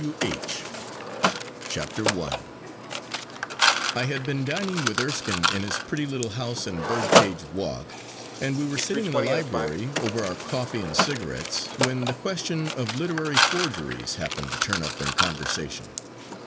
W. H. CHAPTER I I HAD been dining with Erskine in his pretty little house in Birdcage Walk, and we were sitting in the library over our coffee and cigarettes, when the question of literary forgeries happened to turn up in conversation.